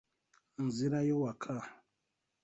Nzirayo waka.